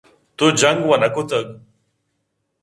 تو جَنٛگ وَ نہ کُتگ